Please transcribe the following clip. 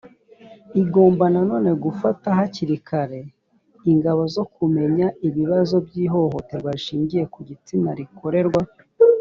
igomba na none gufata hakiri kare ingamba zo kumenya ibibazo by ihohoterwa rishingiye ku gitsina rikorerwa